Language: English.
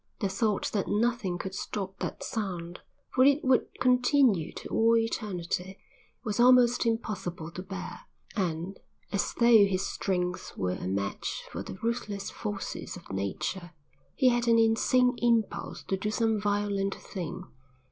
The thought that nothing could stop that sound, for it would continue to all eternity, was almost impossible to bear, and, as though his strength were a match for the ruthless forces of nature, he had an insane impulse to do some violent thing.